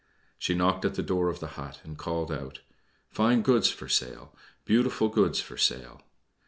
She knocked at the door of the hut, and called out, "Fine goods for sale! beautiful goods for sale!"